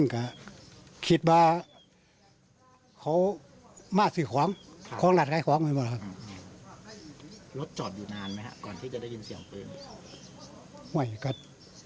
ก่อนที่จะได้ยินเสียงปืน